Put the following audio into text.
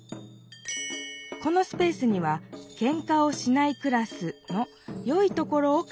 このスペースには「ケンカをしないクラス」のよいところを書きます。